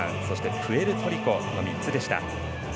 そして、プエルトリコの３つでした。